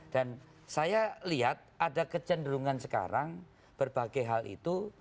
dan saya lihat ada kecenderungan sekarang berbagai hal itu